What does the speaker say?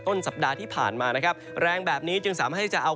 สัปดาห์ที่ผ่านมานะครับแรงแบบนี้จึงสามารถให้จะเอา